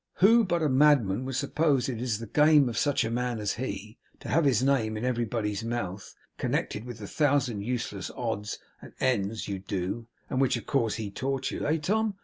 Who but a madman would suppose it is the game of such a man as he, to have his name in everybody's mouth, connected with the thousand useless odds and ends you do (and which, of course, he taught you), eh, Tom?